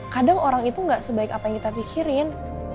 kadang orang itu gak sebaik apa yang kita pikirin